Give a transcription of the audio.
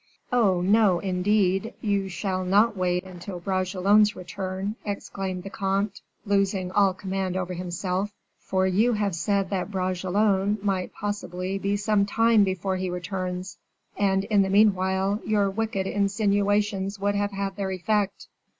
"Oh no, indeed! You shall not wait until Bragelonne's return," exclaimed the comte, losing all command over himself, "for you have said that Bragelonne might, possibly, be some time before he returns; and, in the meanwhile, your wicked insinuations would have had their effect."